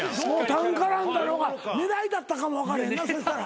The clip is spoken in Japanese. タン絡んだのが狙いだったかも分からへんなそしたら。